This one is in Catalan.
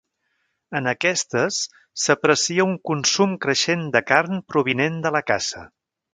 En aquestes, s'aprecia un consum creixent de carn provinent de la caça.